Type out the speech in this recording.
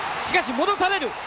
しかし戻される！